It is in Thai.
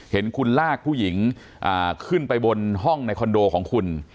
เห็นคุณลากผู้หญิงขึ้นไปบนห้องในคอนโดของคุณ